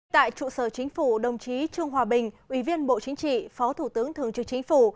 tại trụ sở chính phủ đồng chí trương hòa bình ủy viên bộ chính trị phó thủ tướng thường trực chính phủ